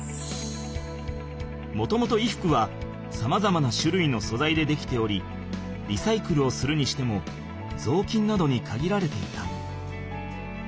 もともと衣服はさまざまなしゅるいのそざいで出来ておりリサイクルをするにしてもぞうきんなどにかぎられていた。